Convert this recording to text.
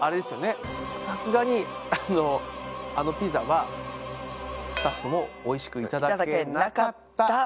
さすがにあのあのピザはスタッフもおいしくいただけなかったそうですね。